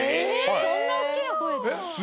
そんな大きな声で！？